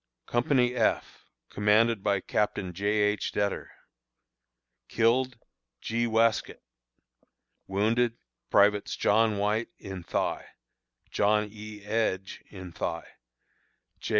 Company F, commanded by Captain J. H. Dettor. Killed: G. Wescott. Wounded: Privates John White, in thigh; John E. Edge, in thigh; J.